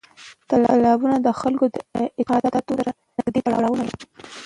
تالابونه د خلکو له اعتقاداتو سره نږدې تړاو لري.